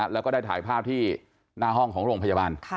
แล้วก็ได้ถ่ายภาพที่หน้าห้องของโรงพยาบาล